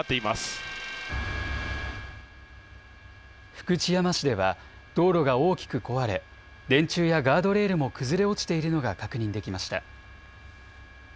福知山市では道路が大きく壊れ電柱やガードレールも崩れ落ちているのが確認できました。